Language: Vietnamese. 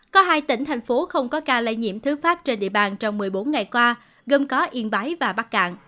có hai tỉnh thành phố không có ca lây nhiễm thứ phát trên địa bàn trong một mươi bốn ngày qua gồm có yên bái và bắc cạn